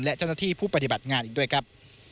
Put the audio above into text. และเจ้าหน้าที่ผู้ปฏิบัติงานอีกด้วยครับ